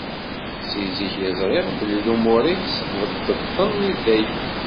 Si zik i ẓriɣ belli lumuṛ-ik tesbeddeḍ-ten i dayem.